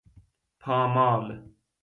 پامال